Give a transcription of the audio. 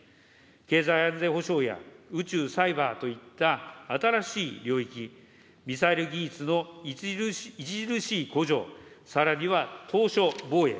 経済安全保障や宇宙、サイバーといった新しい領域、ミサイル技術の著しい向上、さらには島しょ防衛。